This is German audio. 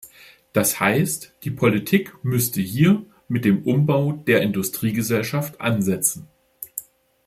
Das heißt, die Politik müsste hier mit dem Umbau der Industriegesellschaft ansetzen.